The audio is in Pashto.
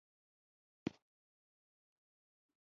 صنفي ټولنې له منځه یووړل شوې.